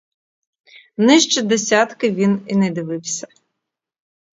Нижче десятки й не дивився.